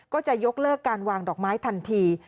ก็จะยกเลิกการวางดอกไม้ทันที